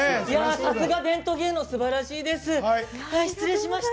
さすが伝統芸能、すばらしいです。